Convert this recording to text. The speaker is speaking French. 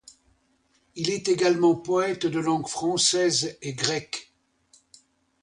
Il est également poète de langues française et grecque.